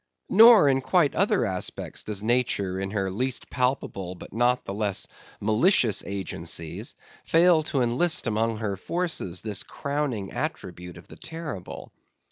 Nor, in quite other aspects, does Nature in her least palpable but not the less malicious agencies, fail to enlist among her forces this crowning attribute of the terrible.